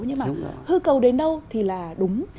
nhưng mà hư cầu đến đâu thì là đúng